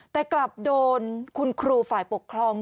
แต่กลับโดนคุณครูฝ่ายปกครอง